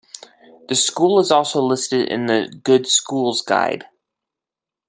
The school is also listed in the "Good Schools Guide".